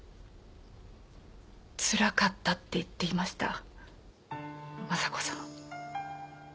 つらかったって言っていました昌子さん。